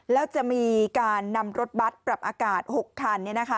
แล้วจะมีการนำรถบัตรปรับอากาศ๖คัน